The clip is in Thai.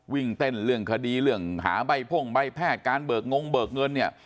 วิ่งเต้นเรื่องคดีเรื่องหาใบพ่งใบแพทย์การเบิกงงเบิกเงินเนี่ย